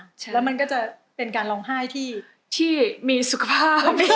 แล้วมันก็จะเป็นการร้องไห้ที่มีสุขภาพ